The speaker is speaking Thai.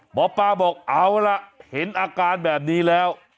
หมอปลาบอกเอาล่ะเห็นอาการแบบนี้แล้ว